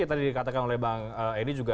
yang tadi dikatakan oleh bang edy juga